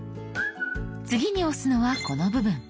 次に押すのはこの部分。